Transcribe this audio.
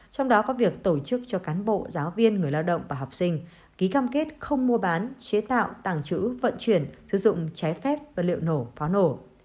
trong đó có việc tổ chức cho cán bộ giáo viên người lao động và học sinh ký cam kết không mua bán chế tạo tàng trữ vận chuyển sử dụng trái phép vật liệu nổ pháo nổ